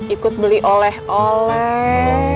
ikut beli oleh oleh